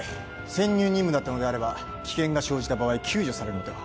潜入任務だったのであれば危険が生じた場合救助されるのでは？